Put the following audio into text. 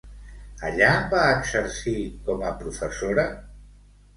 Allà va exercir com a professora?